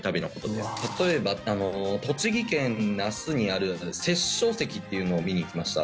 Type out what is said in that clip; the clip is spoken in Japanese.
例えば栃木県那須にある殺生石っていうのを見にいきました。